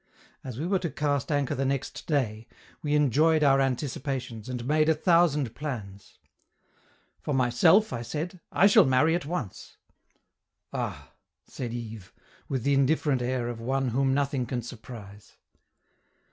As we were to cast anchor the next day, we enjoyed our anticipations, and made a thousand plans. "For myself," I said, "I shall marry at once." "Ah!" said Yves, with the indifferent air of one whom nothing can surprise.